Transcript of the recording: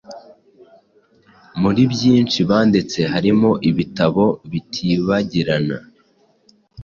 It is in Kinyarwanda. Muri byinshi banditse harimo ibitabo bitibagirana